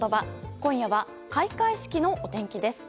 今夜は開会式のお天気です。